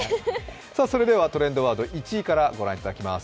それでは、トレンドワード１位からご覧いただきます。